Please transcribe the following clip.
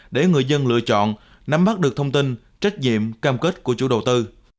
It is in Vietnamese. để người dân lựa chọn nắm bắt được thông tin trách nhiệm cam kết của chủ đầu tư